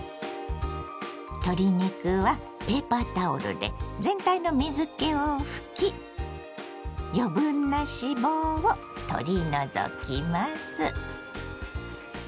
鶏肉はペーパータオルで全体の水けを拭き余分な脂肪を取り除きます。